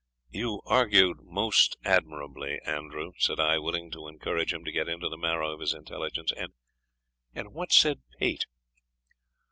"You argued most admirably, Andrew," said I, willing to encourage him to get into the marrow of his intelligence; "and what said Pate?"